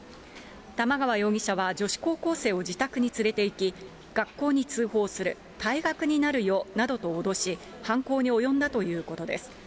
玉川容疑者は女子高校生を自宅に連れていき、学校に通報する、退学になるよなどと脅し、犯行に及んだということです。